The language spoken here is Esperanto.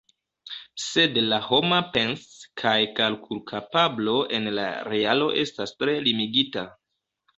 Sed la homa pens- kaj kalkulkapablo en la realo estas tre limigita.